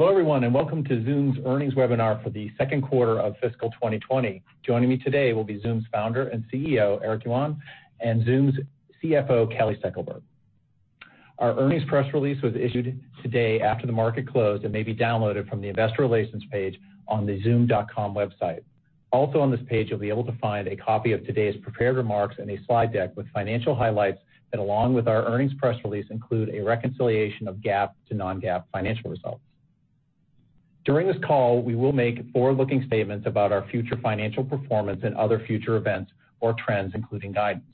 Hello, everyone, and welcome to Zoom's earnings webinar for the second quarter of fiscal 2020. Joining me today will be Zoom's founder and CEO, Eric Yuan, and Zoom's CFO, Kelly Steckelberg. Our earnings press release was issued today after the market closed and may be downloaded from the investor relations page on the zoom.com website. Also on this page, you'll be able to find a copy of today's prepared remarks and a slide deck with financial highlights that, along with our earnings press release, include a reconciliation of GAAP to non-GAAP financial results. During this call, we will make forward-looking statements about our future financial performance and other future events or trends, including guidance.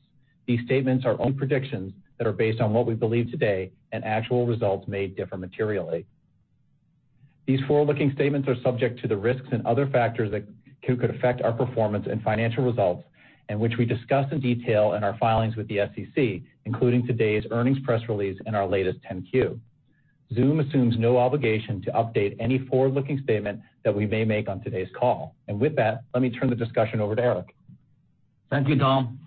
These statements are only predictions that are based on what we believe today, and actual results may differ materially. These forward-looking statements are subject to the risks and other factors that could affect our performance and financial results, which we discuss in detail in our filings with the SEC, including today's earnings press release and our latest 10-Q. Zoom assumes no obligation to update any forward-looking statement that we may make on today's call. With that, let me turn the discussion over to Eric. Thank you, Tom.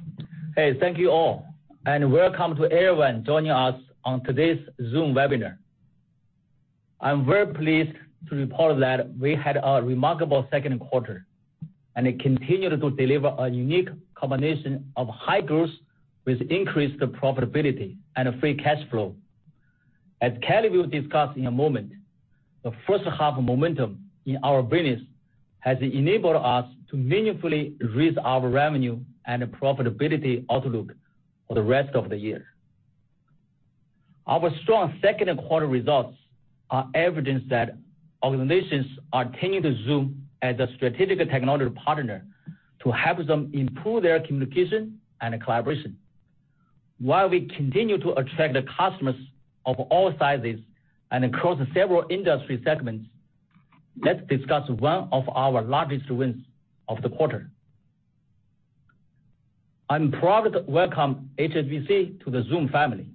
Hey, thank you all, and welcome to everyone joining us on today's Zoom webinar. I'm very pleased to report that we had a remarkable second quarter, and it continued to deliver a unique combination of high growth with increased profitability and free cash flow. As Kelly will discuss in a moment, the first half momentum in our business has enabled us to meaningfully raise our revenue and profitability outlook for the rest of the year. Our strong second quarter results are evidence that organizations are turning to Zoom as a strategic technology partner to help them improve their communication and collaboration. While we continue to attract customers of all sizes and across several industry segments, let's discuss one of our largest wins of the quarter. I'm proud to welcome HSBC to the Zoom family.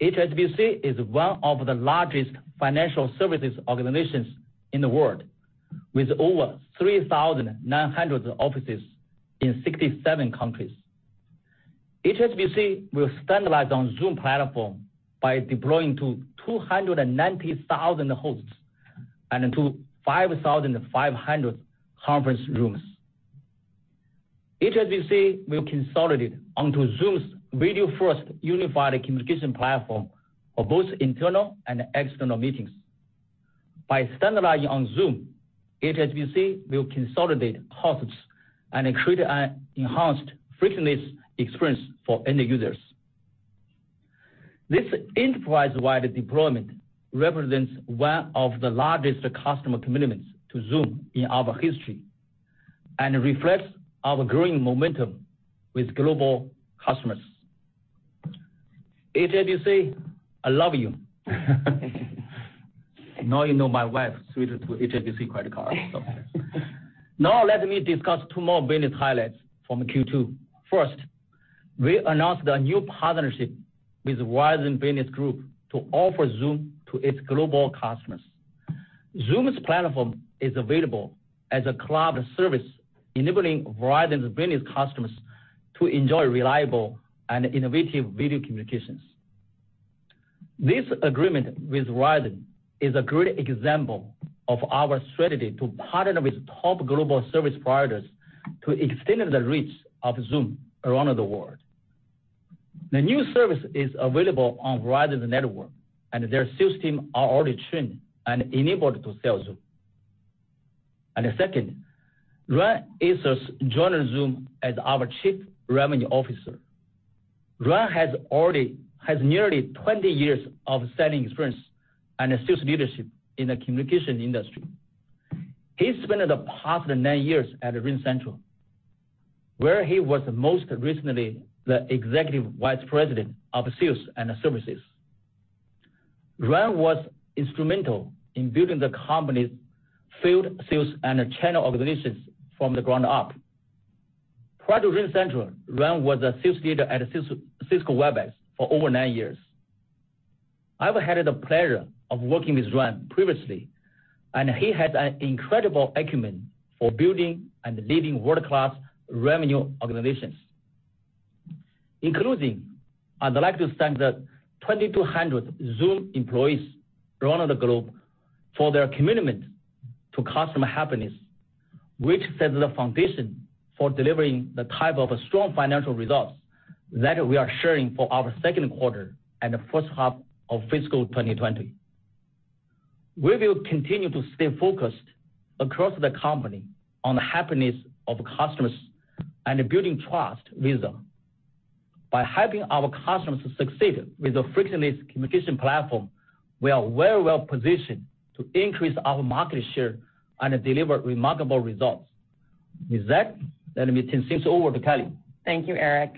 HSBC is one of the largest financial services organizations in the world, with over 3,900 offices in 67 countries. HSBC will standardize on Zoom platform by deploying to 290,000 hosts and to 5,500 conference rooms. HSBC will consolidate onto Zoom's video-first unified communication platform for both internal and external meetings. By standardizing on Zoom, HSBC will consolidate hosts and create an enhanced frictionless experience for end users. This enterprise-wide deployment represents one of the largest customer commitments to Zoom in our history and reflects our growing momentum with global customers. HSBC, I love you. You know my wife switched to HSBC credit card, so. Let me discuss two more business highlights from Q2. First, we announced a new partnership with Verizon Business Group to offer Zoom to its global customers. Zoom's platform is available as a cloud service, enabling Verizon Business customers to enjoy reliable and innovative video communications. This agreement with Verizon is a great example of our strategy to partner with top global service providers to extend the reach of Zoom around the world. Their systems are already trained and enabled to sell Zoom. Second, Ryan Azus joined Zoom as our Chief Revenue Officer. Ryan has nearly 20 years of selling experience and sales leadership in the communication industry. He spent the past nine years at RingCentral, where he was most recently the Executive Vice President of Sales and Services. Ryan was instrumental in building the company's field sales and channel organizations from the ground up. Prior to RingCentral, Ryan was a sales leader at Cisco Webex for over nine years. I've had the pleasure of working with Ryan previously, and he has an incredible acumen for building and leading world-class revenue organizations. Including, I'd like to thank the 2,200 Zoom employees around the globe for their commitment to customer happiness, which sets the foundation for delivering the type of strong financial results that we are sharing for our second quarter and first half of fiscal 2020. We will continue to stay focused across the company on the happiness of customers and building trust with them. By helping our customers succeed with a frictionless communication platform, we are very well positioned to increase our market share and deliver remarkable results. With that, let me turn things over to Kelly. Thank you, Eric,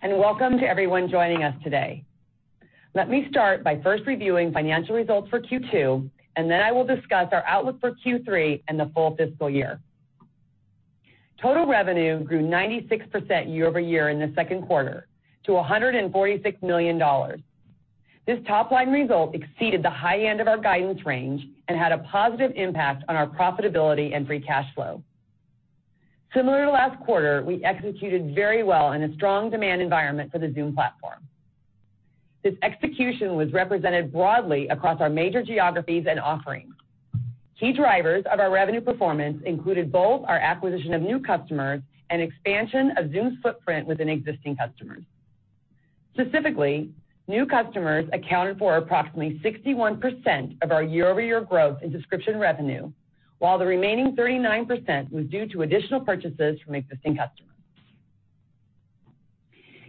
and welcome to everyone joining us today. Let me start by first reviewing financial results for Q2, and then I will discuss our outlook for Q3 and the full fiscal year. Total revenue grew 96% year-over-year in the second quarter to $146 million. This top-line result exceeded the high end of our guidance range and had a positive impact on our profitability and free cash flow. Similar to last quarter, we executed very well in a strong demand environment for the Zoom platform. This execution was represented broadly across our major geographies and offerings. Key drivers of our revenue performance included both our acquisition of new customers and expansion of Zoom's footprint within existing customers. Specifically, new customers accounted for approximately 61% of our year-over-year growth in subscription revenue, while the remaining 39% was due to additional purchases from existing customers.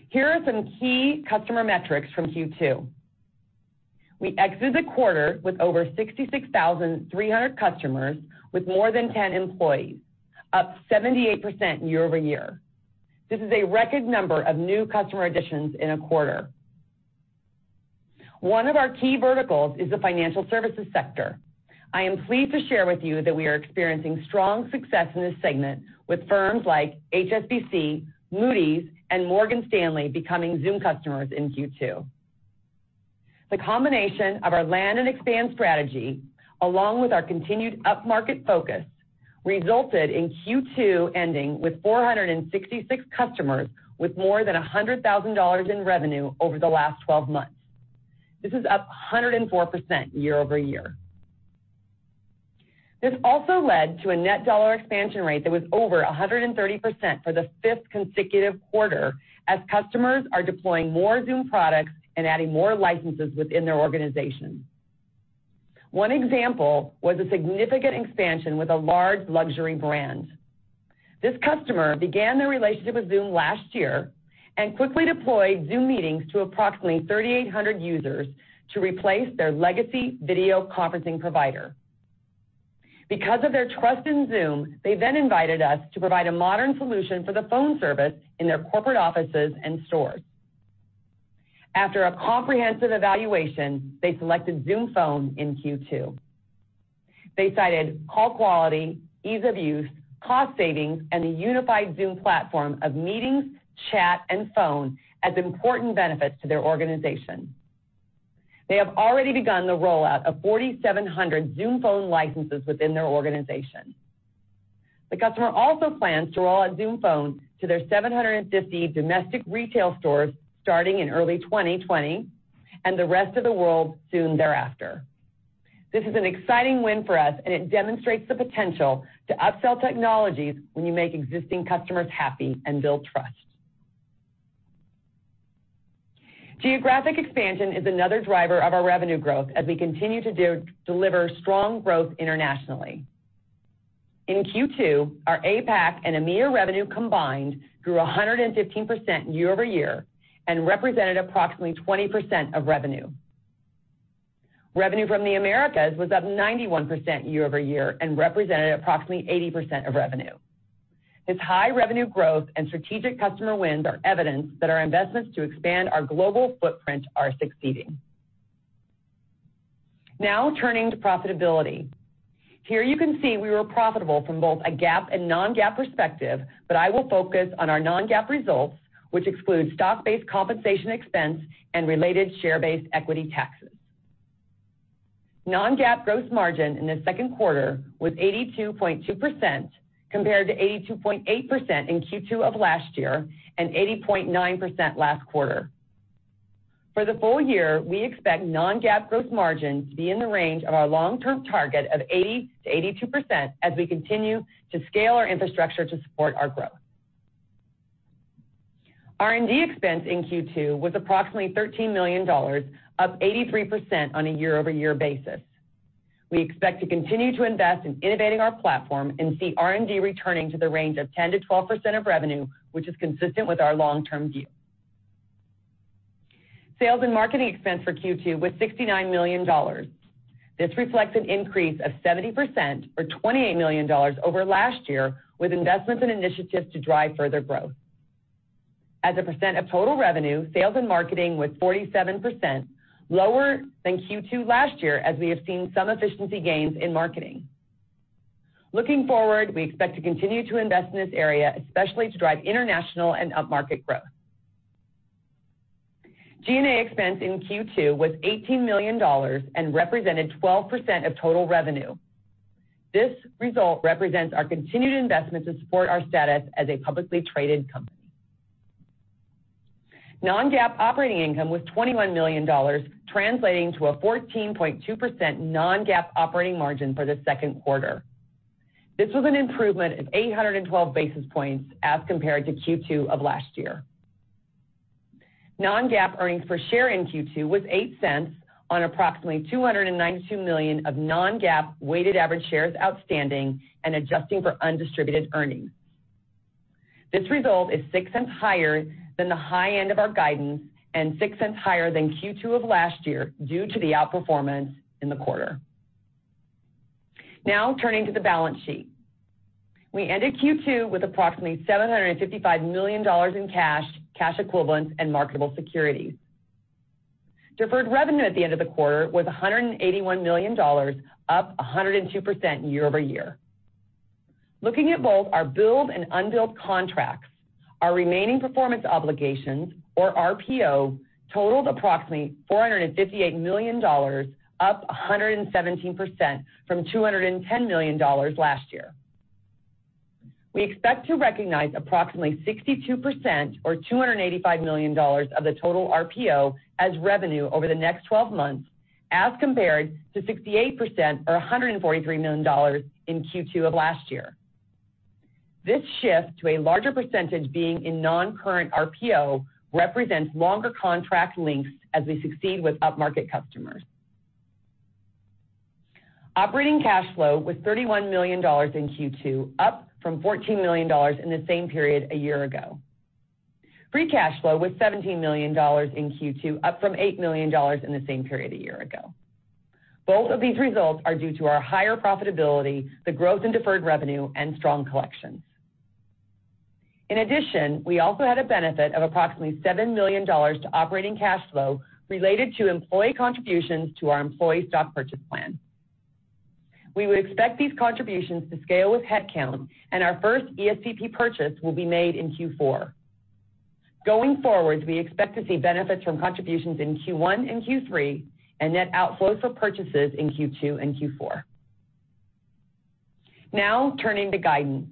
Here are some key customer metrics from Q2. We exited the quarter with over 66,300 customers with more than 10 employees, up 78% year-over-year. This is a record number of new customer additions in a quarter. One of our key verticals is the financial services sector. I am pleased to share with you that we are experiencing strong success in this segment with firms like HSBC, Moody's, and Morgan Stanley becoming Zoom customers in Q2. The combination of our land and expand strategy, along with our continued up-market focus, resulted in Q2 ending with 466 customers with more than $100,000 in revenue over the last 12 months. This is up 104% year-over-year. This also led to a net dollar expansion rate that was over 130% for the fifth consecutive quarter, as customers are deploying more Zoom products and adding more licenses within their organization. One example was a significant expansion with a large luxury brand. This customer began their relationship with Zoom last year and quickly deployed Zoom Meetings to approximately 3,800 users to replace their legacy video conferencing provider. Because of their trust in Zoom, they then invited us to provide a modern solution for the phone service in their corporate offices and stores. After a comprehensive evaluation, they selected Zoom Phone in Q2. They cited call quality, ease of use, cost savings, and the unified Zoom platform of meetings, chat, and phone as important benefits to their organization. They have already begun the rollout of 4,700 Zoom Phone licenses within their organization. The customer also plans to roll out Zoom Phone to their 750 domestic retail stores starting in early 2020 and the rest of the world soon thereafter. This is an exciting win for us, and it demonstrates the potential to upsell technologies when you make existing customers happy and build trust. Geographic expansion is another driver of our revenue growth as we continue to deliver strong growth internationally. In Q2, our APAC and EMEA revenue combined grew 115% year-over-year and represented approximately 20% of revenue. Revenue from the Americas was up 91% year-over-year and represented approximately 80% of revenue. This high revenue growth and strategic customer wins are evidence that our investments to expand our global footprint are succeeding. Turning to profitability. Here you can see we were profitable from both a GAAP and non-GAAP perspective, but I will focus on our non-GAAP results, which exclude stock-based compensation expense and related share-based equity taxes. Non-GAAP gross margin in the second quarter was 82.2%, compared to 82.8% in Q2 of last year and 80.9% last quarter. For the full year, we expect non-GAAP gross margin to be in the range of our long-term target of 80%-82% as we continue to scale our infrastructure to support our growth. R&D expense in Q2 was approximately $13 million, up 83% on a year-over-year basis. We expect to continue to invest in innovating our platform and see R&D returning to the range of 10%-12% of revenue, which is consistent with our long-term view. Sales and marketing expense for Q2 was $69 million. This reflects an increase of 70%, or $28 million, over last year, with investments and initiatives to drive further growth. As a percent of total revenue, sales and marketing was 47%, lower than Q2 last year, as we have seen some efficiency gains in marketing. Looking forward, we expect to continue to invest in this area, especially to drive international and upmarket growth. G&A expense in Q2 was $18 million and represented 12% of total revenue. This result represents our continued investment to support our status as a publicly traded company. Non-GAAP operating income was $21 million, translating to a 14.2% non-GAAP operating margin for the second quarter. This was an improvement of 812 basis points as compared to Q2 of last year. Non-GAAP earnings per share in Q2 was $0.08 on approximately 292 million of non-GAAP weighted average shares outstanding and adjusting for undistributed earnings. This result is $0.06 higher than the high end of our guidance and $0.06 higher than Q2 of last year due to the outperformance in the quarter. Turning to the balance sheet. We ended Q2 with approximately $755 million in cash equivalents, and marketable securities. Deferred revenue at the end of the quarter was $181 million, up 102% year-over-year. Looking at both our billed and unbilled contracts. Our remaining performance obligations, or RPO, totaled approximately $458 million, up 117% from $210 million last year. We expect to recognize approximately 62%, or $285 million of the total RPO as revenue over the next 12 months, as compared to 68%, or $143 million in Q2 of last year. This shift to a larger percentage being in non-current RPO represents longer contract lengths as we succeed with up-market customers. Operating cash flow was $31 million in Q2, up from $14 million in the same period a year ago. Free cash flow was $17 million in Q2, up from $8 million in the same period a year ago. Both of these results are due to our higher profitability, the growth in deferred revenue, and strong collections. In addition, we also had a benefit of approximately $7 million to operating cash flow related to employee contributions to our employee stock purchase plan. We would expect these contributions to scale with headcount, and our first ESPP purchase will be made in Q4. Going forward, we expect to see benefits from contributions in Q1 and Q3, and net outflows for purchases in Q2 and Q4. Now, turning to guidance.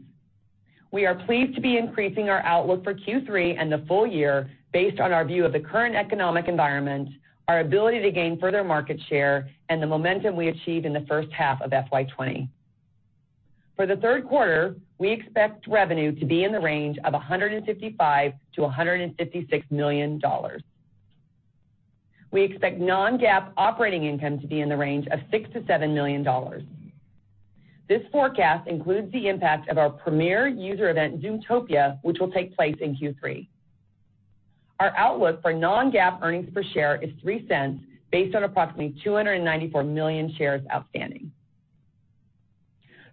We are pleased to be increasing our outlook for Q3 and the full year based on our view of the current economic environment, our ability to gain further market share, and the momentum we achieved in the first half of FY 2020. For the third quarter, we expect revenue to be in the range of $155 million-$156 million. We expect non-GAAP operating income to be in the range of $6 million-$7 million. This forecast includes the impact of our premier user event, Zoomtopia, which will take place in Q3. Our outlook for non-GAAP earnings per share is $0.03 based on approximately 294 million shares outstanding.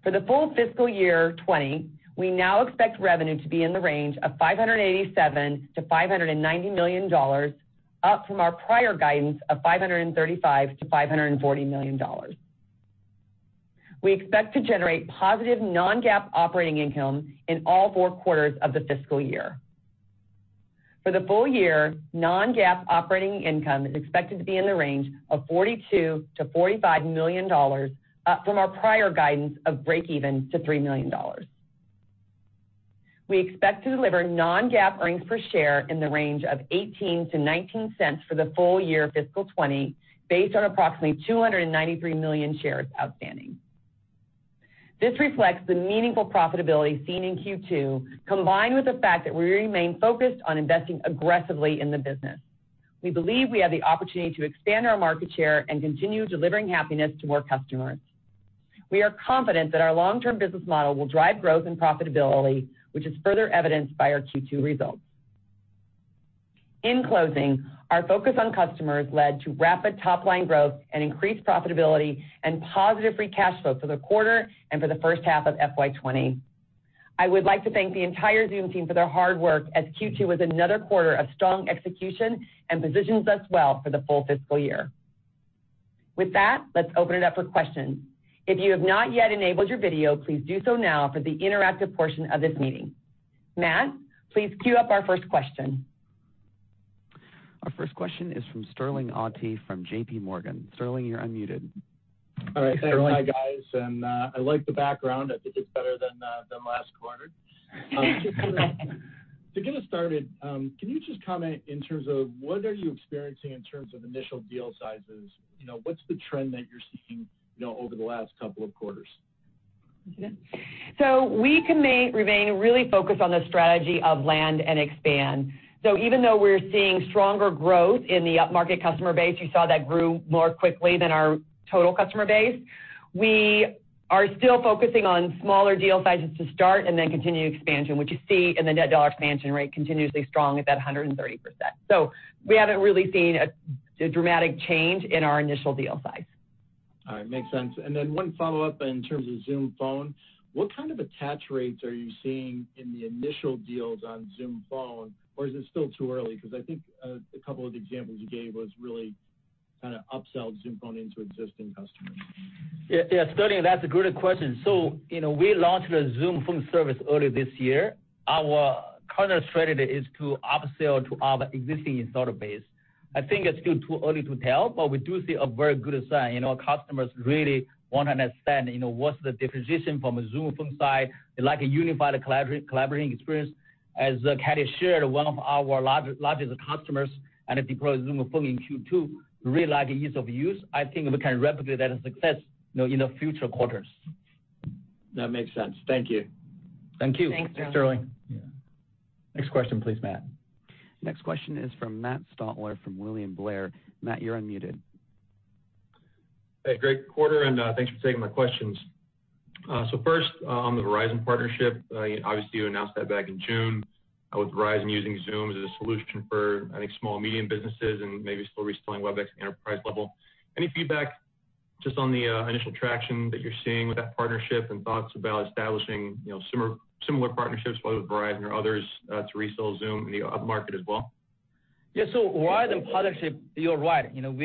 For the full fiscal year 2020, we now expect revenue to be in the range of $587 million-$590 million, up from our prior guidance of $535 million-$540 million. We expect to generate positive non-GAAP operating income in all four quarters of the fiscal year. For the full year, non-GAAP operating income is expected to be in the range of $42 million-$45 million, up from our prior guidance of breakeven to $3 million. We expect to deliver non-GAAP earnings per share in the range of $0.18-$0.19 for the full year fiscal 2020, based on approximately 293 million shares outstanding. This reflects the meaningful profitability seen in Q2, combined with the fact that we remain focused on investing aggressively in the business. We believe we have the opportunity to expand our market share and continue delivering happiness to more customers. We are confident that our long-term business model will drive growth and profitability, which is further evidenced by our Q2 results. In closing, our focus on customers led to rapid top-line growth and increased profitability and positive free cash flow for the quarter and for the first half of FY 2020. I would like to thank the entire Zoom team for their hard work, as Q2 was another quarter of strong execution and positions us well for the full fiscal year. With that, let's open it up for questions. If you have not yet enabled your video, please do so now for the interactive portion of this meeting. Matt, please queue up our first question. Our first question is from Sterling Auty from J.P. Morgan. Sterling, you're unmuted. All right. Sterling. Hi, guys, I like the background. I think it's better than last quarter. To get us started, can you just comment in terms of what are you experiencing in terms of initial deal sizes? What's the trend that you're seeing over the last couple of quarters? We remain really focused on the strategy of land and expand. Even though we're seeing stronger growth in the up-market customer base, you saw that grew more quickly than our total customer base. We are still focusing on smaller deal sizes to start and then continue expansion, which you see in the net dollar expansion rate continuously strong at that 130%. We haven't really seen a dramatic change in our initial deal size. All right. Makes sense. Then one follow-up in terms of Zoom Phone. What kind of attach rates are you seeing in the initial deals on Zoom Phone, or is it still too early? I think a couple of the examples you gave was really kind of upsell Zoom Phone into existing customers. Yeah. Sterling, that's a good question. We launched the Zoom Phone service earlier this year. Our current strategy is to upsell to our existing installer base. I think it's still too early to tell, but we do see a very good sign. Our customers really want to understand what's the difference from a Zoom Phone side. They like a unified collaborating experience. As Kelly shared, one of our largest customers, and it deploys Zoom Phone in Q2, really like ease of use. I think we can replicate that success in the future quarters. That makes sense. Thank you. Thank you. Thanks. Sterling. Yeah. Next question, please, Matt. Next question is from Matt Stotler from William Blair. Matt, you're unmuted. Hey, great quarter, thanks for taking my questions. First, on the Verizon partnership, obviously you announced that back in June, with Verizon using Zoom as a solution for, I think, SMBs and maybe still reselling Webex enterprise level. Any feedback just on the initial traction that you're seeing with that partnership and thoughts about establishing similar partnerships, whether with Verizon or others, to resell Zoom in the up-market as well? Yeah. Verizon Partnership, you're right. We signed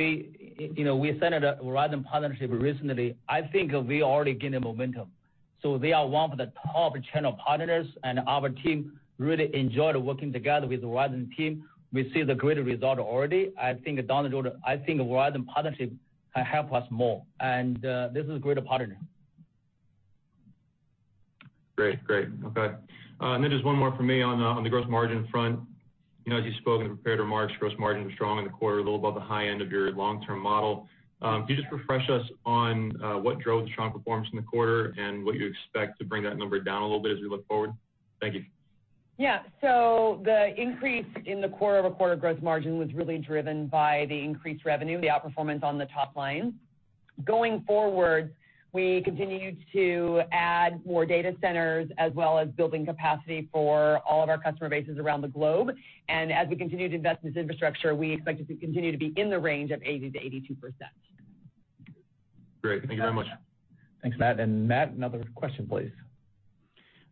Verizon Partnership recently. I think we are already gaining momentum. They are one of the top channel partners, and our team really enjoyed working together with Verizon team. We see the great result already. I think Verizon Partnership help us more, and this is a great partner. Great. Okay. Just one more from me on the gross margin front. As you spoke in the prepared remarks, gross margin was strong in the quarter, a little above the high end of your long-term model. Can you just refresh us on what drove the strong performance in the quarter and what you expect to bring that number down a little bit as we look forward? Thank you. Yeah. The increase in the quarter-over-quarter gross margin was really driven by the increased revenue, the outperformance on the top line. Going forward, we continue to add more data centers as well as building capacity for all of our customer bases around the globe. As we continue to invest in this infrastructure, we expect it to continue to be in the range of 80%-82%. Great. Thank you very much. Thanks, Matt. Matt, another question, please.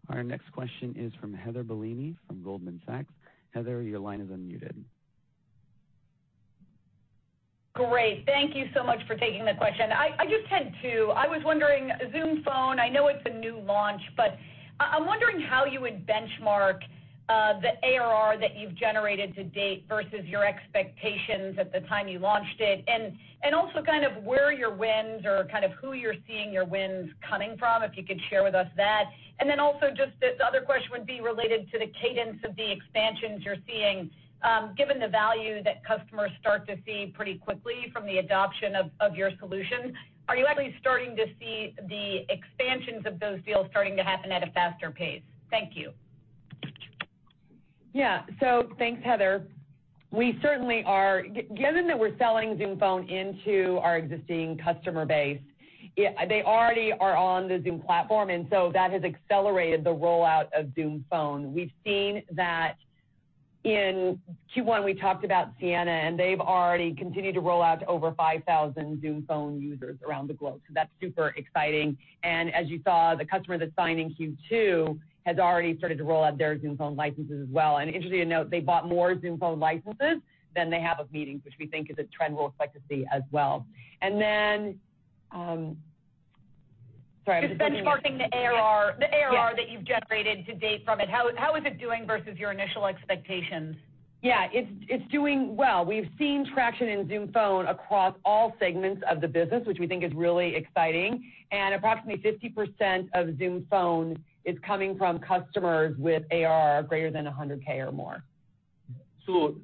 Our next question is from Heather Bellini from Goldman Sachs. Heather, your line is unmuted. Great. Thank you so much for taking the question. I was wondering, Zoom Phone, I know it's a new launch, but I'm wondering how you would benchmark the ARR that you've generated to date versus your expectations at the time you launched it, and also where your wins or who you're seeing your wins coming from, if you could share with us that. Also, just this other question would be related to the cadence of the expansions you're seeing, given the value that customers start to see pretty quickly from the adoption of your solutions. Are you actually starting to see the expansions of those deals starting to happen at a faster pace? Thank you. Yeah. Thanks, Heather. Given that we're selling Zoom Phone into our existing customer base, they already are on the Zoom platform, that has accelerated the rollout of Zoom Phone. We've seen that in Q1, we talked about Ciena, they've already continued to roll out to over 5,000 Zoom Phone users around the globe. That's super exciting. As you saw, the customer that signed in Q2 has already started to roll out their Zoom Phone licenses as well. Interesting to note, they bought more Zoom Phone licenses than they have of meetings, which we think is a trend we'll expect to see as well. Just benchmarking the ARR. Yes that you've generated to date from it, how is it doing versus your initial expectations? Yeah. It's doing well. We've seen traction in Zoom Phone across all segments of the business, which we think is really exciting. Approximately 50% of Zoom Phone is coming from customers with ARR greater than 100K or more. To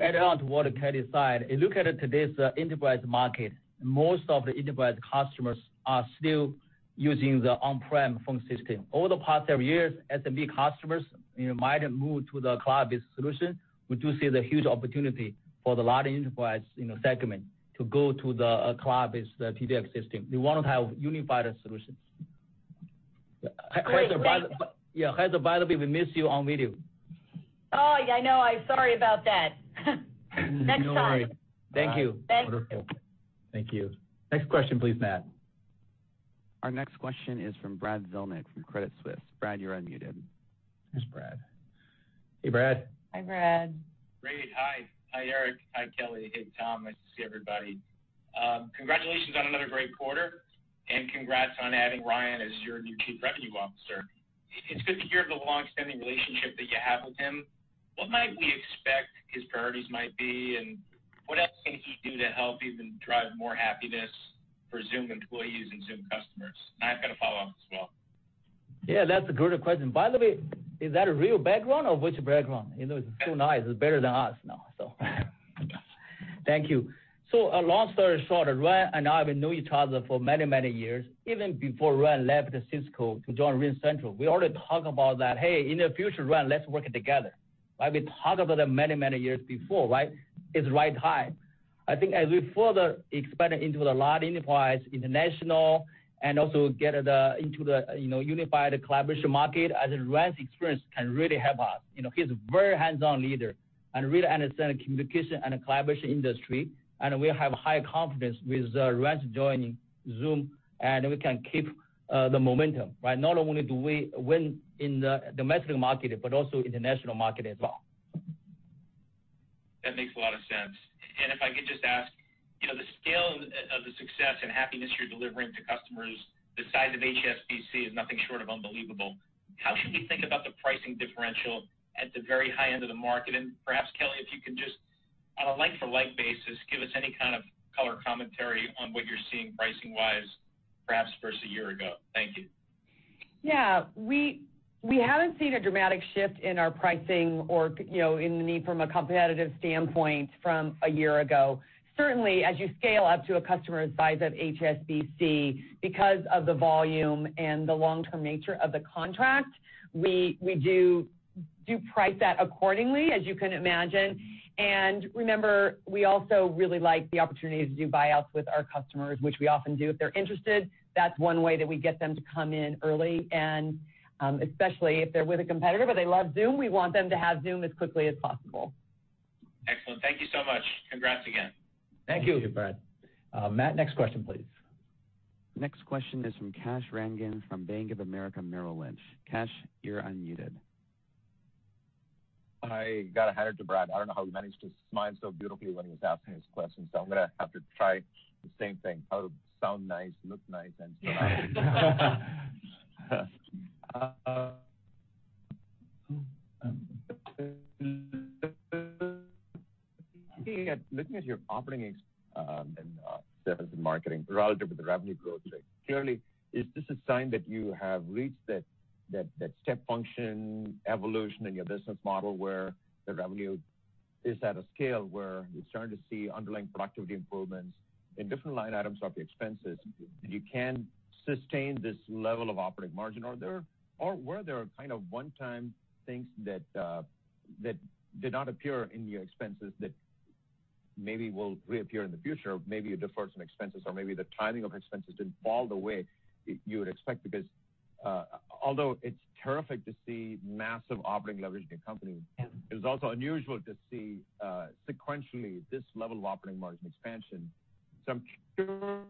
add on to what Kelly said, if you look at today's enterprise market, most of the enterprise customers are still using the on-prem phone system. Over the past several years, SMB customers might have moved to the cloud-based solution. We do see the huge opportunity for the large enterprise segment to go to the cloud-based PBX system. They want to have unified solutions. Great. Thanks. Yeah. By the way, we miss you on video. Oh, yeah, I know. I'm sorry about that. Next time. No worry. Thank you. Thanks. Wonderful. Thank you. Next question, please, Matt. Our next question is from Brad Zelnick from Credit Suisse. Brad, you're unmuted. There's Brad. Hey, Brad. Hi, Brad. Great. Hi, Eric. Hi, Kelly. Hey, Tom. Nice to see everybody. Congratulations on another great quarter, congrats on adding Ryan as your new Chief Revenue Officer. It's good to hear of the longstanding relationship that you have with him. What might we expect his priorities might be, what else can he do to help even drive more happiness for Zoom employees and Zoom customers? I've got a follow-up as well. Yeah, that's a great question. By the way, is that a real background or virtual background? It looks so nice. It's better than us now. Thank you. A long story short, Ryan and I have known each other for many, many years, even before Ryan left Cisco to join RingCentral. We already talked about that, "Hey, in the future, Ryan, let's work together." We talked about that many, many years before, right? It's the right time. I think as we further expand into the large enterprise, international, and also get into the unified collaboration market, Ryan's experience can really help us. He's a very hands-on leader and really understands the communication and collaboration industry, and we have high confidence with Ryan joining Zoom, and we can keep the momentum, right? Not only do we win in the domestic market, but also international market as well. That makes a lot of sense. If I could just ask, the scale of the success and happiness you're delivering to customers the size of HSBC is nothing short of unbelievable. How should we think about the pricing differential at the very high end of the market? Perhaps, Kelly, if you can just on a like-for-like basis, give us any kind of color commentary on what you're seeing pricing-wise, perhaps versus a year ago. Thank you. Yeah. We haven't seen a dramatic shift in our pricing or in the need from a competitive standpoint from a year ago. Certainly, as you scale up to a customer the size of HSBC, because of the volume and the long-term nature of the contract, we do price that accordingly, as you can imagine. Remember, we also really like the opportunity to do buyouts with our customers, which we often do if they're interested. That's one way that we get them to come in early, and especially if they're with a competitor, but they love Zoom, we want them to have Zoom as quickly as possible. Excellent. Thank you so much. Congrats again. Thank you. Thank you, Brad. Matt, next question, please. Next question is from Kash Rangan from Bank of America Merrill Lynch. Kash, you're unmuted. I got to hand it to Brad. I don't know how he managed to smile so beautifully when he was asking his questions. I'm going to have to try the same thing. How to sound nice, look nice, and smile. Looking at your operating expense in sales and marketing relative to the revenue growth, clearly, is this a sign that you have reached that step function evolution in your business model where the revenue is at a scale where you're starting to see underlying productivity improvements in different line items of the expenses, and you can sustain this level of operating margin? Were there one-time things that did not appear in your expenses that maybe will reappear in the future? maybe you deferred some expenses, or maybe the timing of expenses didn't fall the way you would expect, because although it's terrific to see massive operating leverage in a company Yeah It is also unusual to see sequentially this level of operating margin expansion. I'm curious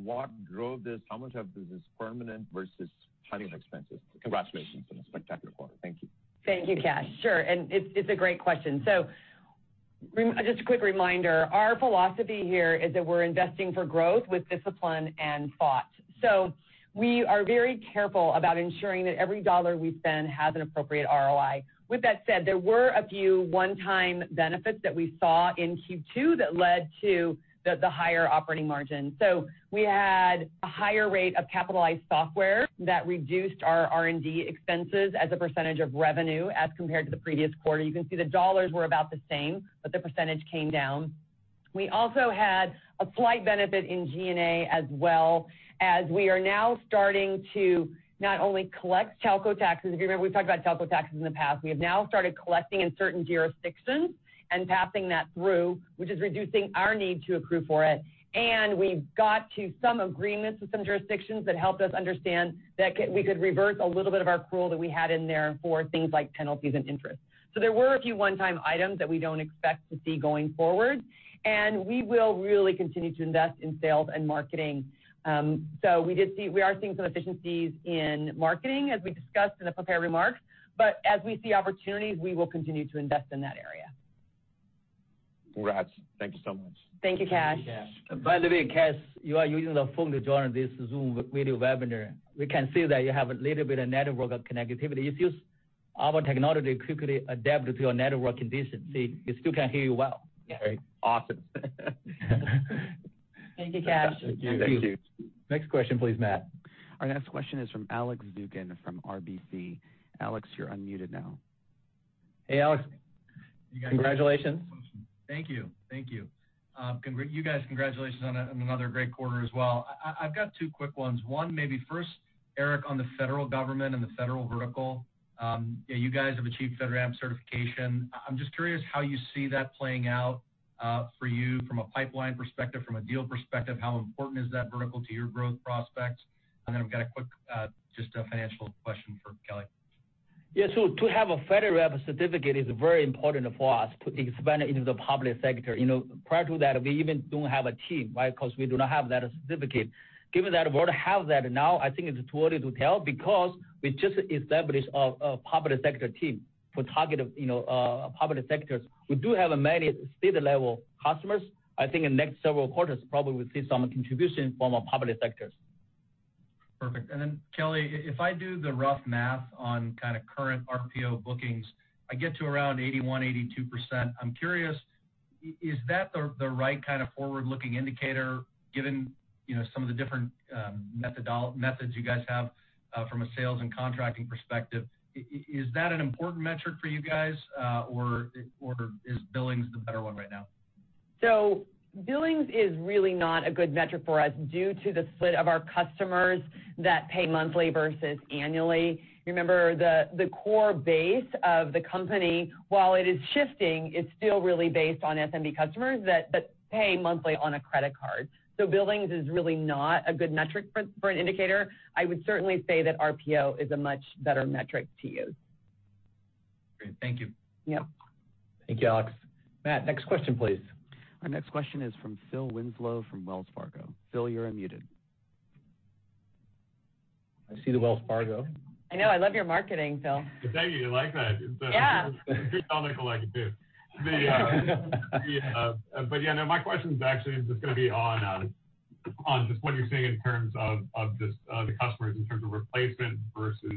what drove this, how much of this is permanent versus timing of expenses? Congratulations on a spectacular quarter. Thank you. Thank you, Kash. Sure. It's a great question. Just a quick reminder, our philosophy here is that we're investing for growth with discipline and thought. We are very careful about ensuring that every dollar we spend has an appropriate ROI. With that said, there were a few one-time benefits that we saw in Q2 that led to the higher operating margin. We had a higher rate of capitalized software that reduced our R&D expenses as a percentage of revenue as compared to the previous quarter. You can see the dollars were about the same, but the percentage came down. We also had a slight benefit in G&A as well, as we are now starting to not only collect telco taxes. If you remember, we've talked about telco taxes in the past. We have now started collecting in certain jurisdictions and passing that through, which is reducing our need to accrue for it. We've got to some agreements with some jurisdictions that helped us understand that we could revert a little bit of our accrual that we had in there for things like penalties and interest. There were a few one-time items that we don't expect to see going forward, and we will really continue to invest in sales and marketing. We are seeing some efficiencies in marketing, as we discussed in the prepared remarks. As we see opportunities, we will continue to invest in that area. Congrats. Thank you so much. Thank you, Kash. Thank you, Kash. By the way, Kash, you are using the phone to join this Zoom video webinar. We can see that you have a little bit of network connectivity issues. Our technology quickly adapt to your network conditions. See, we still can hear you well. Yeah. Great. Awesome. Thank you, Kash. Thank you. Thank you. Next question, please, Matt. Our next question is from Alex Zukin from RBC. Alex, you're unmuted now. Hey, Alex. You guys- Congratulations. Thank you. You guys, congratulations on another great quarter as well. I've got two quick ones. One maybe first, Eric, on the federal government and the federal vertical. You guys have achieved FedRAMP certification. I'm just curious how you see that playing out for you from a pipeline perspective, from a deal perspective, how important is that vertical to your growth prospects? Then I've got a quick financial question for Kelly. Yeah. To have a FedRAMP certificate is very important for us to expand into the public sector. Prior to that, we even don't have a team, because we do not have that certificate. Given that we have that now, I think it's too early to tell because we just established a public sector team for target of public sectors. We do have many state-level customers. I think in next several quarters, probably we'll see some contribution from our public sectors. Perfect. Kelly, if I do the rough math on current RPO bookings, I get to around 81%, 82%. I'm curious, is that the right kind of forward-looking indicator given some of the different methods you guys have from a sales and contracting perspective? Is that an important metric for you guys, or billings the better one right now? Billings is really not a good metric for us due to the split of our customers that pay monthly versus annually. Remember, the core base of the company, while it is shifting, it's still really based on SMB customers that pay monthly on a credit card. Billings is really not a good metric for an indicator. I would certainly say that RPO is a much better metric to use. Great. Thank you. Yep. Thank you, Alex. Matt, next question, please. Our next question is from Philip Winslow from Wells Fargo. Phil, you're unmuted. I see the Wells Fargo. I know. I love your marketing, Phil. Thank you. You like that? Yeah. It's good. [Tom] will like it too. Yeah, no, my question is actually just going to be on just what you're seeing in terms of just the customers in terms of replacement versus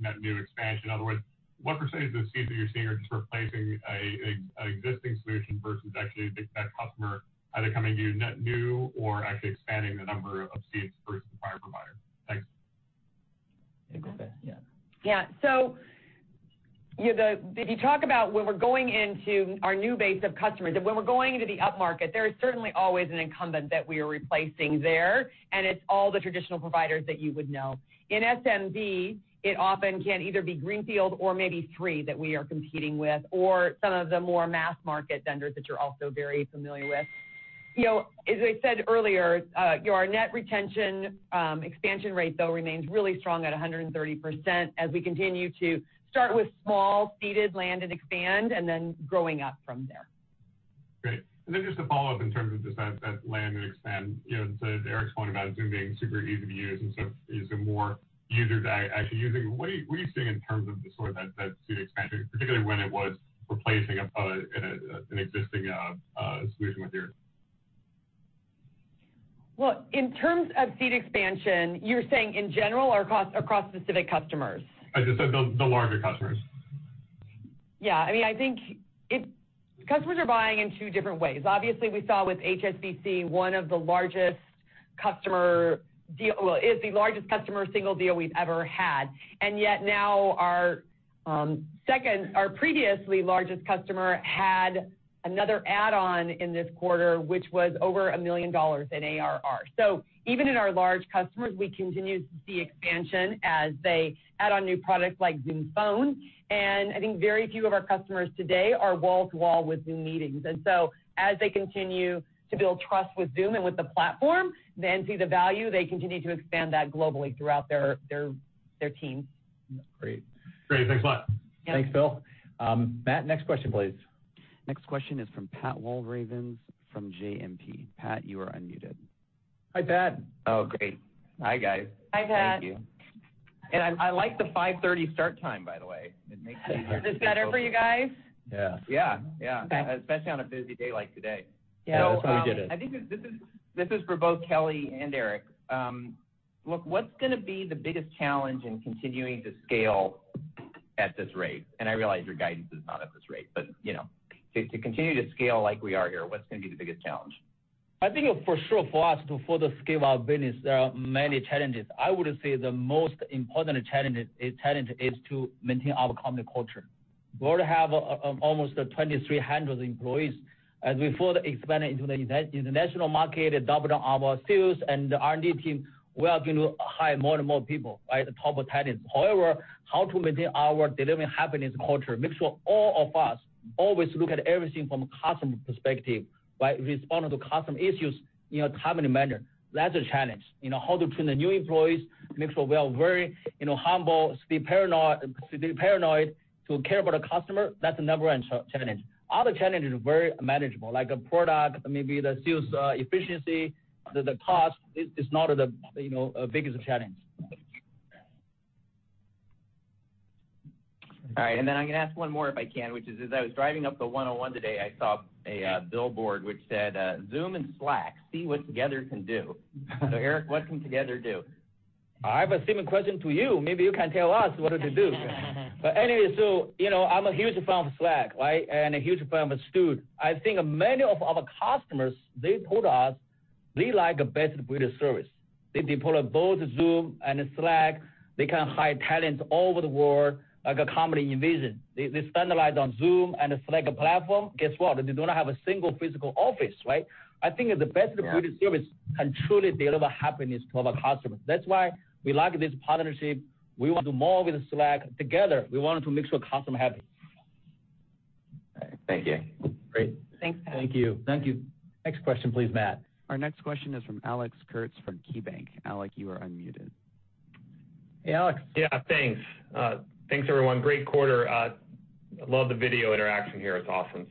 net new expansion. In other words, what % of the seats that you're seeing are just replacing an existing solution versus actually that customer either coming net new or actually expanding the number of seats versus the prior provider? Thanks. Yeah, go ahead. Yeah. If you talk about when we're going into our new base of customers, when we're going into the upmarket, there is certainly always an incumbent that we are replacing there, and it's all the traditional providers that you would know. In SMB, it often can either be greenfield or maybe three that we are competing with or some of the more mass market vendors that you're also very familiar with. As I said earlier, our net retention expansion rate though remains really strong at 130% as we continue to start with small seeded land and expand and then growing up from there. Great. Then just a follow-up in terms of just that land and expand. To Eric's point about Zoom being super easy to use, so it's more users actually using. What are you seeing in terms of the sort of that seat expansion, particularly when it was replacing an existing solution with your? Well, in terms of seat expansion, you're saying in general or across specific customers? I just said the larger customers. Yeah. I think customers are buying in two different ways. Obviously, we saw with HSBC, one of the largest customer deal, well, it is the largest customer single deal we've ever had. Yet now our previously largest customer had another add-on in this quarter, which was over $1 million in ARR. Even in our large customers, we continue to see expansion as they add on new products like Zoom Phone. I think very few of our customers today are wall to wall with Zoom Meetings. As they continue to build trust with Zoom and with the platform, then see the value, they continue to expand that globally throughout their teams. Great. Thanks a lot. Yeah. Thanks, Phil. Matt, next question, please. Next question is from Pat Walravens from JMP. Pat, you are unmuted. Hi, Pat. Oh, great. Hi, guys. Hi, Pat. Thank you. I like the 5:30 start time, by the way. Is this better for you guys? Yeah. Especially on a busy day like today. Yeah, that's how we did it. I think this is for both Kelly and Eric. Look, what's going to be the biggest challenge in continuing to scale at this rate? I realize your guidance is not at this rate, but to continue to scale like we are here, what's going to be the biggest challenge? I think for sure for us to further scale our business, there are many challenges. I would say the most important challenge is to maintain our company culture. We already have almost 2,300 employees. As we further expand into the international market and double our sales and the R&D team, we are going to hire more and more people, right? The top of talent. However, how to maintain our delivering happiness culture, make sure all of us always look at everything from a customer perspective, responding to customer issues in a timely manner, that's a challenge. How to train the new employees, make sure we are very humble, be paranoid, to care about a customer, that's the number one challenge. Other challenges are very manageable, like a product, maybe the sales efficiency, the cost is not the biggest challenge. All right. I'm going to ask one more if I can, which is, as I was driving up the 101 today, I saw a billboard which said, "Zoom and Slack, see what together can do." Eric, what can together do? I have a similar question to you. Maybe you can tell us what it will do. I'm a huge fan of Slack, right? A huge fan of Stu. I think many of our customers, they told us they like a best-of-breed service. They deploy both Zoom and Slack. They can hire talent all over the world, like a company envision. They standardize on Zoom and Slack platform. Guess what? They do not have a single physical office, right? I think the best-of-breed service can truly deliver happiness to our customers. That's why we like this partnership. We want to do more with Slack together. We want to make sure customers happy. All right. Thank you. Great. Thanks, Pat. Thank you. Thank you. Next question, please, Matt. Our next question is from Alex Kurtz from KeyBanc. Alex, you are unmuted. Hey, Alex. Yeah, thanks. Thanks, everyone. Great quarter. I love the video interaction here. It's awesome.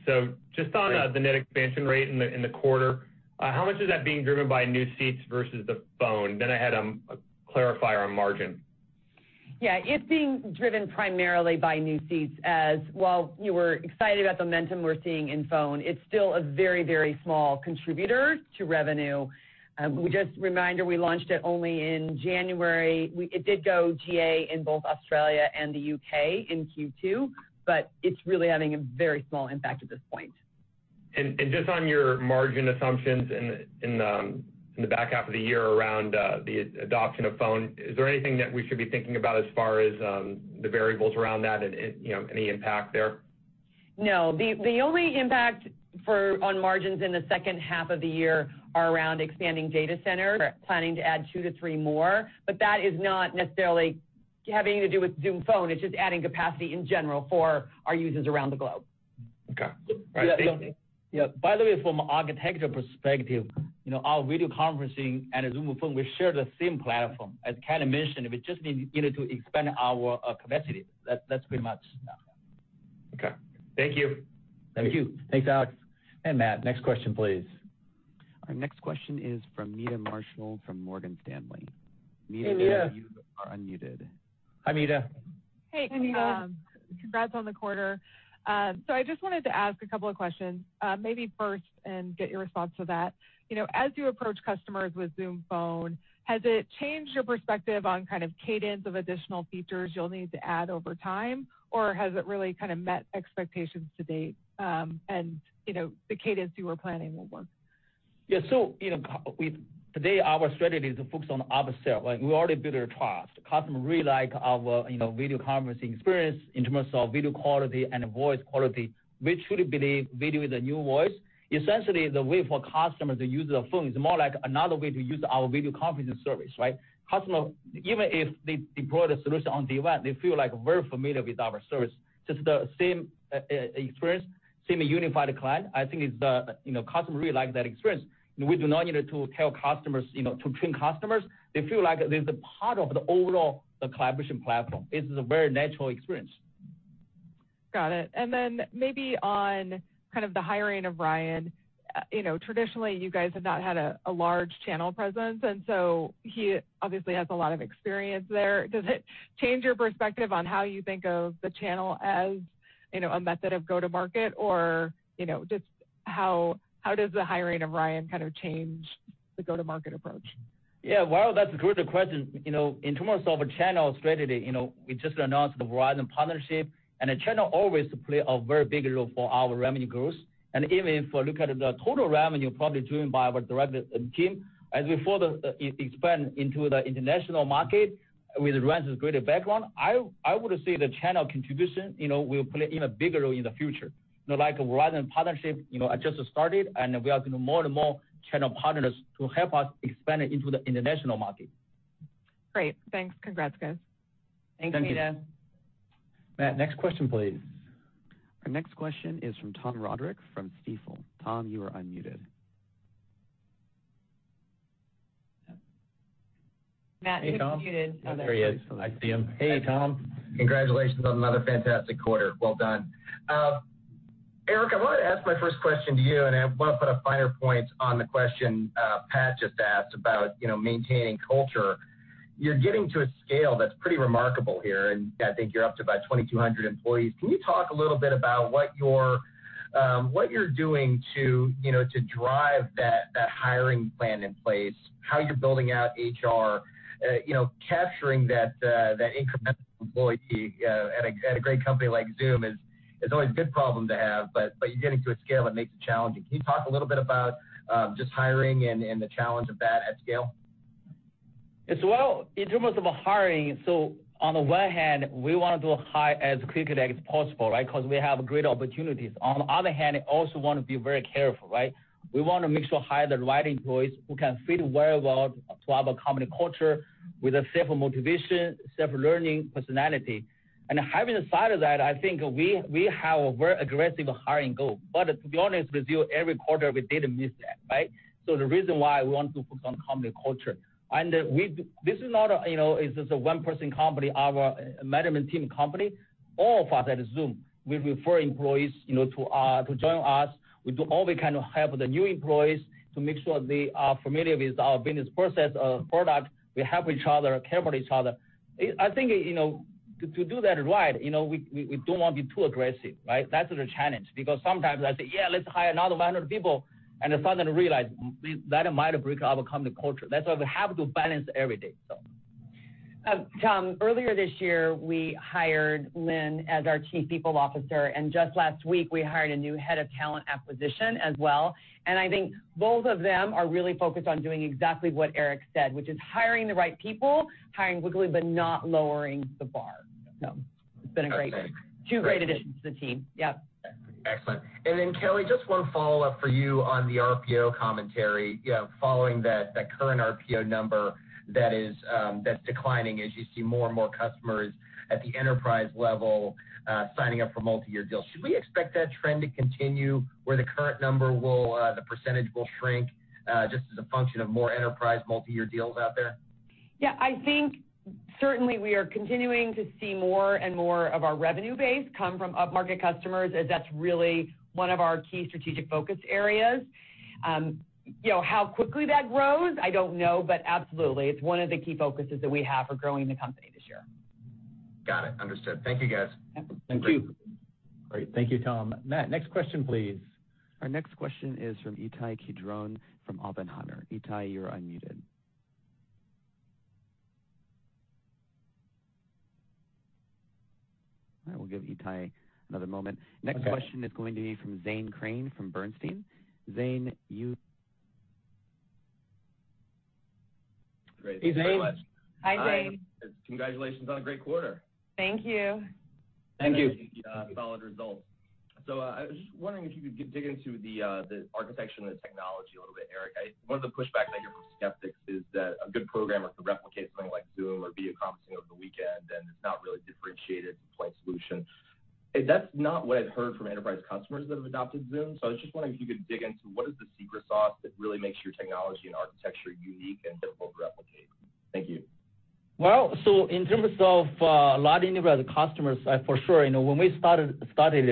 Just on the net expansion rate in the quarter, how much is that being driven by new seats versus the Phone? I had a clarifier on margin. Yeah. It's being driven primarily by new seats, as while you were excited about the momentum we're seeing in Phone, it's still a very, very small contributor to revenue. Just a reminder, we launched it only in January. It did go GA in both Australia and the U.K. in Q2. It's really having a very small impact at this point. Just on your margin assumptions in the back half of the year around the adoption of phone, is there anything that we should be thinking about as far as the variables around that and any impact there? No. The only impact on margins in the second half of the year are around expanding data centers. Correct. Planning to add two to three more, but that is not necessarily having to do with Zoom Phone. It's just adding capacity in general for our users around the globe. Okay. All right. Thank you. Yeah. By the way, from an architecture perspective, our video conferencing and Zoom Phone, we share the same platform. As Kelly mentioned, we just need to expand our capacity. That's pretty much. Okay. Thank you. Thank you. Thanks, Alex. Matt, next question, please. Our next question is from Meta Marshall from Morgan Stanley. Hey, Meta, you are unmuted. Hi, Meta. Hey. Congrats on the quarter. I just wanted to ask a couple of questions. Maybe first and get your response to that. As you approach customers with Zoom Phone, has it changed your perspective on kind of cadence of additional features you'll need to add over time, or has it really met expectations to date, and the cadence you were planning will work? Today our strategy is to focus on upsell, right. We already built their trust. Customer really like our video conferencing experience in terms of video quality and voice quality. We truly believe video is the new voice. Essentially, the way for customers to use the phone is more like another way to use our video conferencing service, right. Customer, even if they deploy the solution on day one, they feel very familiar with our service. Just the same experience, same unified client. I think customers really like that experience. We do not need to train customers. They feel like this is a part of the overall collaboration platform. This is a very natural experience. Got it. Maybe on the hiring of Ryan. Traditionally, you guys have not had a large channel presence, he obviously has a lot of experience there. Does it change your perspective on how you think of the channel as a method of go-to-market, or just how does the hiring of Ryan change the go-to-market approach? Well, that's a good question. In terms of a channel strategy, we just announced the Verizon partnership. The channel always play a very big role for our revenue growth. Even if look at the total revenue probably driven by our direct team, as we further expand into the international market with Ryan's great background, I would say the channel contribution will play an even bigger role in the future. Verizon partnership, just started, and we are going to more and more channel partners to help us expand into the international market. Great. Thanks. Congrats, guys. Thanks, Meta. Thank you. Matt, next question, please. Our next question is from Thomas Roderick from Stifel. Tom, you are unmuted. Matt, he's muted. There he is. I see him. Hey, Tom. Congratulations on another fantastic quarter. Well done. Eric, I wanted to ask my first question to you, and I want to put a finer point on the question Pat just asked about maintaining culture. You're getting to a scale that's pretty remarkable here, and I think you're up to about 2,200 employees. Can you talk a little bit about what you're doing to drive that hiring plan in place, how you're building out HR, capturing that incremental employee at a great company like Zoom is always a good problem to have, but you're getting to a scale that makes it challenging. Can you talk a little bit about just hiring and the challenge of that at scale? As well, in terms of hiring, on the one hand, we want to hire as quickly as possible, right? Because we have great opportunities. On the other hand, also want to be very careful, right? We want to make sure hire the right employees who can fit very well to our company culture with a self-motivation, self-learning personality. Having said that, I think we have a very aggressive hiring goal. To be honest with you, every quarter we didn't miss that, right? The reason why we want to focus on company culture, and this is not a one-person company, our management team company. All of us at Zoom, we refer employees to join us. We do all we can to help the new employees to make sure they are familiar with our business process, product. We help each other, care for each other. I think to do that right, we don't want to be too aggressive, right? That's the challenge, because sometimes I say, "Yeah, let's hire another 100 people," and then suddenly realize that it might break our company culture. That's why we have to balance every day, so. Tom, earlier this year, we hired Lynne as our Chief People Officer, and just last week, we hired a new head of talent acquisition as well. I think both of them are really focused on doing exactly what Eric said, which is hiring the right people, hiring quickly, but not lowering the bar. Okay two great additions to the team. Yep. Excellent. Kelly, just one follow-up for you on the RPO commentary. Following that current RPO number that's declining as you see more and more customers at the enterprise level signing up for multi-year deals. Should we expect that trend to continue where the current number, the percentage will shrink, just as a function of more enterprise multi-year deals out there? Yeah, I think certainly we are continuing to see more and more of our revenue base come from up-market customers, as that's really one of our key strategic focus areas. How quickly that grows, I don't know, but absolutely it's one of the key focuses that we have for growing the company this year. Got it. Understood. Thank you, guys. Thank you. Great. Thank you, Tom. Matt, next question, please. Our next question is from Ittai Kidron from Oppenheimer. Ittai, you're unmuted. I will give Ittai another moment. Okay. Next question is going to be from Zane Chrane from Bernstein. Great. Thanks so much. Hey, Zane. Hi, Zane. Congratulations on a great quarter. Thank you. Thank you. Solid results. I was just wondering if you could dig into the architecture and the technology a little bit, Eric. One of the pushbacks I hear from skeptics is that a good programmer could replicate something like Zoom or be accomplishing over the weekend, and it's not really differentiated point solution. That's not what I've heard from enterprise customers that have adopted Zoom. I was just wondering if you could dig into what is the secret sauce that really makes your technology and architecture unique and difficult to replicate. Thank you. In terms of a lot of enterprise customers, for sure, when we started,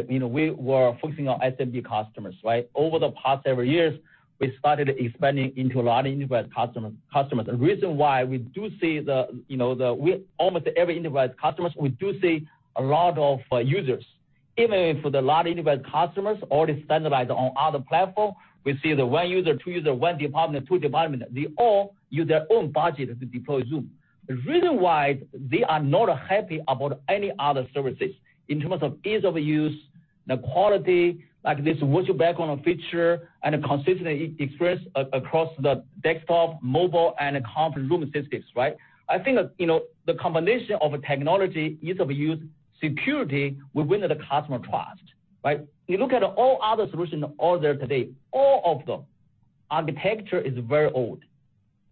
we were focusing on SMB customers, right? Over the past several years, we started expanding into a lot of enterprise customers. Almost every enterprise customers, we do see a lot of users. Even for the lot enterprise customers already standardized on other platform, we see the one user, two user, one department, two department, they all use their own budget to deploy Zoom. They are not happy about any other services in terms of ease of use, the quality, like this virtual background feature, and consistency experience across the desktop, mobile, and conference room systems, right? I think the combination of technology, ease of use, security will win the customer trust, right? You look at all other solutions out there today, all of the architecture is very old.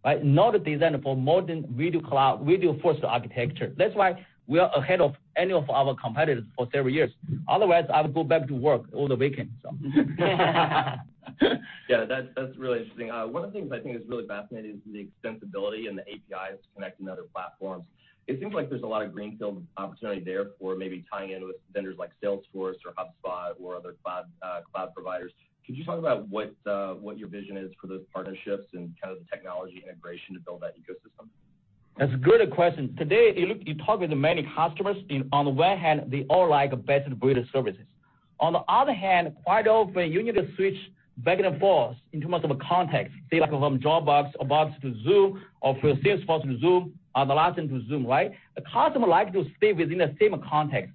Right? Not designed for modern video cloud, video-first architecture. That's why we are ahead of any of our competitors for several years. Otherwise, I would go back to work all the weekend, so. Yeah, that's really interesting. One of the things I think is really fascinating is the extensibility and the APIs connecting other platforms. It seems like there's a lot of green field opportunity there for maybe tying in with vendors like Salesforce or HubSpot or other cloud providers. Could you talk about what your vision is for those partnerships and the technology integration to build that ecosystem? That's a good question. Today, you talk with many customers, on the one hand, they all like best-in-breed services. On the other hand, quite often, you need to switch back and forth in terms of context. Say, like from Dropbox or Box to Zoom or from Salesforce to Zoom, Atlassian to Zoom, right? A customer likes to stay within the same context,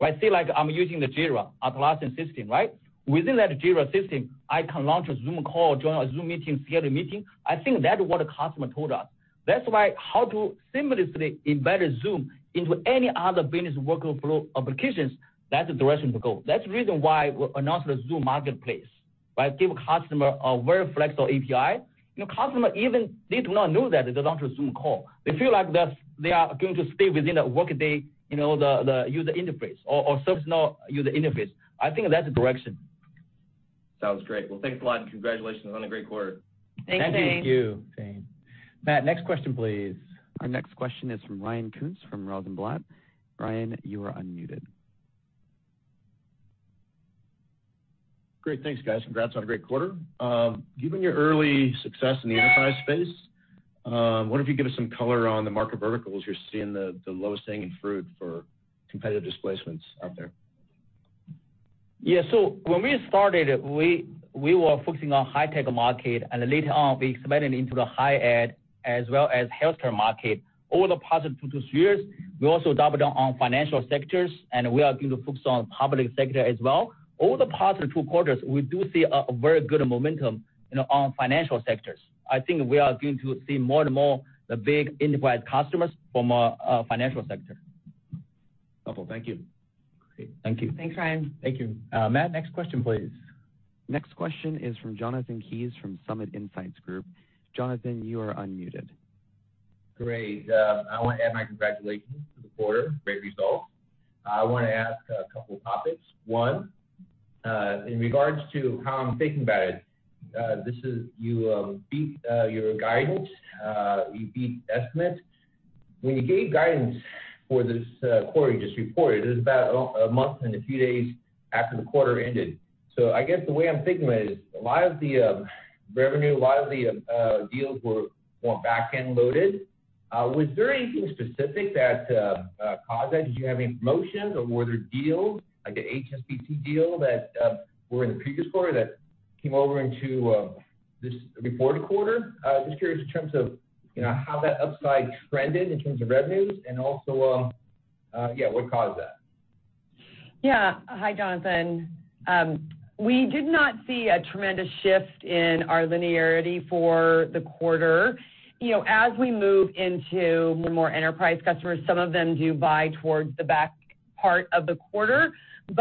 right? Say, like I'm using the Jira Atlassian system, right? Within that Jira system, I can launch a Zoom call, join a Zoom meeting, schedule a meeting. I think that's what the customer told us. That's why how to seamlessly embed Zoom into any other business workflow applications, that's the direction to go. That's the reason why we announced the Zoom App Marketplace, right? Give a customer a very flexible API. Customer, even they do not know that they're onto a Zoom call. They feel like they are going to stay within a Workday, the user interface or ServiceNow user interface. I think that's the direction. Sounds great. Well, thanks a lot, and congratulations on a great quarter. Thanks, Zane. Thank you, Zane. Matt, next question, please. Our next question is from Ryan Koontz from Rosenblatt. Ryan, you are unmuted. Great. Thanks, guys. Congrats on a great quarter. Given your early success in the enterprise space, what if you give us some color on the market verticals you're seeing the lowest hanging fruit for competitive displacements out there? Yeah. When we started, we were focusing on high-tech market, and later on we expanded into the high ed as well as healthcare market. Over the past two to three years, we also doubled down on financial sectors, and we are going to focus on public sector as well. Over the past two quarters, we do see a very good momentum in our financial sectors. I think we are going to see more and more the big enterprise customers from a financial sector. Wonderful. Thank you. Great. Thank you. Thanks, Ryan. Thank you. Matt, next question, please. Next question is from Jonathan Kees from Summit Insights Group. Jonathan, you are unmuted. Great. I want to add my congratulations to the quarter. Great results. I want to ask a couple topics. One, in regards to how I'm thinking about it, you beat your guidance, you beat estimates. When you gave guidance for this quarter you just reported, it was about a month and a few days after the quarter ended. I guess the way I'm thinking about it is a lot of the revenue, a lot of the deals were more back-end loaded. Was there anything specific that caused that? Did you have any promotions or were there deals, like the HSBC deal that were in the previous quarter that came over into this reported quarter? Just curious in terms of how that upside trended in terms of revenues and also, yeah, what caused that? Yeah. Hi, Jonathan. We did not see a tremendous shift in our linearity for the quarter. As we move into more enterprise customers, some of them do buy towards the back part of the quarter. We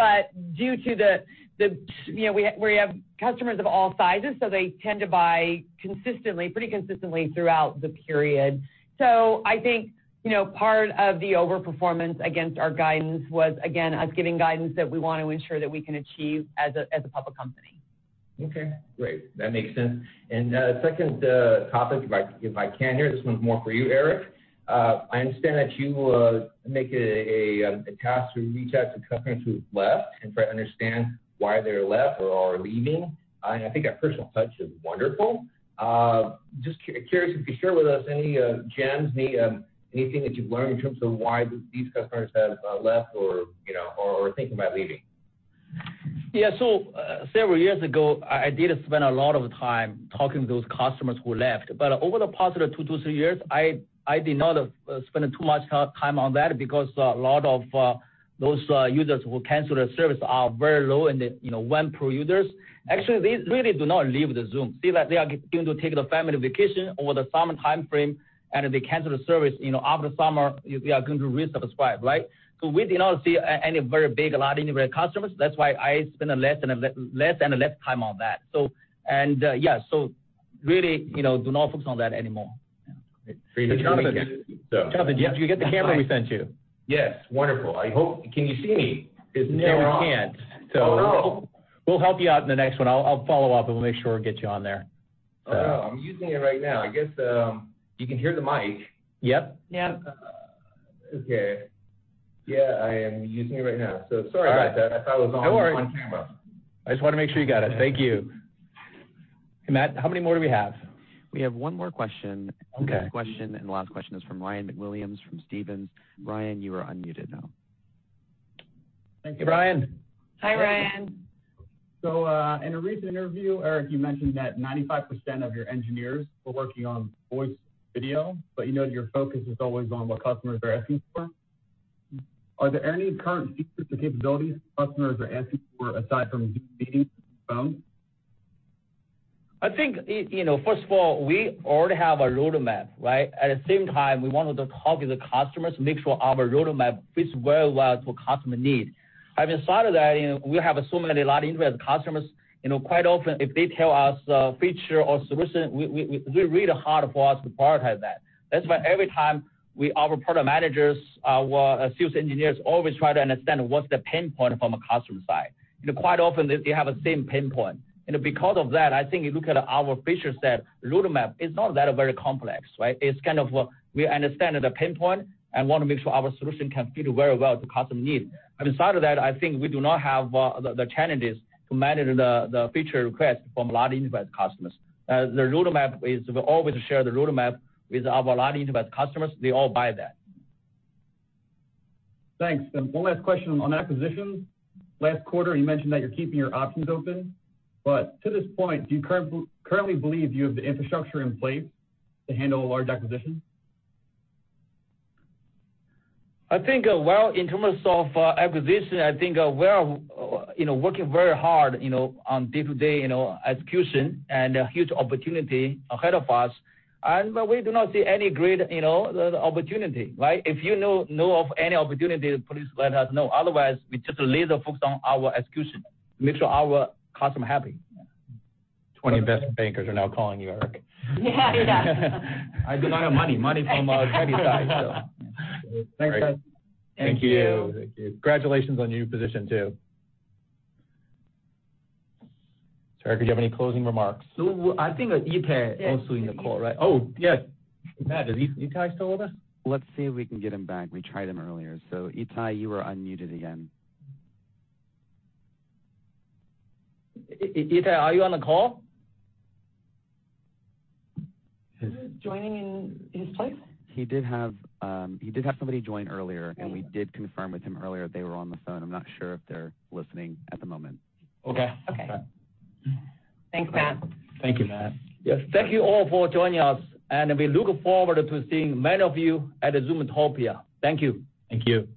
have customers of all sizes, so they tend to buy pretty consistently throughout the period. I think, part of the over-performance against our guidance was, again, us giving guidance that we want to ensure that we can achieve as a public company. Okay, great. That makes sense. Second topic, if I can here, this one's more for you, Eric. I understand that you make it a task to reach out to customers who've left and try to understand why they left or are leaving. I think a personal touch is wonderful. Just curious if you could share with us any gems, anything that you have learned in terms of why these customers have left or are thinking about leaving. Yeah. Several years ago, I did spend a lot of time talking to those customers who left. Over the past two to three years, I did not spend too much time on that because a lot of those users who cancel their service are very low and one per users. Actually, they really do not leave the Zoom. Say that they are going to take the family vacation over the summer timeframe, and they cancel their service. After the summer, they are going to resubscribe, right? We did not see any very big a lot enterprise customers. That's why I spend less and less time on that. Really, do not focus on that anymore. Great. So- Jonathan, did you get the camera we sent you? Yes. Wonderful. I hope, can you see me? No, we can't. Oh. We'll help you out in the next one. I'll follow up and we'll make sure we get you on there. Oh. I'm using it right now. I guess, you can hear the mic. Yep. Yep. Okay. Yeah, I am using it right now. Sorry about that. All right. I thought I was on- No worries. camera. I just wanted to make sure you got it. Thank you. Hey, Matt, how many more do we have? We have one more question. Okay. The last question is from Ryan MacWilliams from Stephens. Ryan, you are unmuted now. Thank you. Ryan. Hi, Ryan. In a recent interview, Eric, you mentioned that 95% of your engineers were working on voice video, but you know your focus is always on what customers are asking for. Are there any current features or capabilities customers are asking for aside from Zoom Meetings and phones? I think, first of all, we already have a roadmap, right? At the same time, we wanted to talk with the customers, make sure our roadmap fits very well to customer need. Having said that, we have so many lot enterprise customers, quite often, if they tell us a feature or solution, it's really hard for us to prioritize that. That's why every time our product managers, our sales engineers always try to understand what's the pain point from a customer side. Quite often, they have the same pain point. Because of that, I think if you look at our feature set roadmap, it's not that very complex, right? It's kind of we understand the pain point and want to make sure our solution can fit very well to customer need. Aside of that, I think we do not have the challenges to manage the feature request from a lot of enterprise customers. The roadmap is, we always share the roadmap with our lot enterprise customers. They all buy that. Thanks. One last question on acquisitions. Last quarter, you mentioned that you're keeping your options open, but to this point, do you currently believe you have the infrastructure in place to handle a large acquisition? I think, well, in terms of acquisition, I think we are working very hard on day-to-day execution and a huge opportunity ahead of us. We do not see any great opportunity, right? If you know of any opportunity, please let us know. Otherwise, we just laser focus on our execution, make sure our customer happy. 20 investment bankers are now calling you, Eric. Yeah. I do not have money from my credit side. Thanks, guys. Thank you. Thank you. Congratulations on your new position, too. Tom, do you have any closing remarks? I think Ittai also in the call, right? Oh, yes. Matt, is Ittai still with us? Let's see if we can get him back. We tried him earlier. Ittai, you are unmuted again. Itay, are you on the call? Joining in his place? He did have somebody join earlier, and we did confirm with him earlier they were on the phone. I'm not sure if they're listening at the moment. Okay. Okay. Thanks, Matt. Thank you, Matt. Yes. Thank you all for joining us, and we look forward to seeing many of you at Zoomtopia. Thank you. Thank you.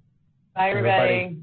Bye, everybody. Bye.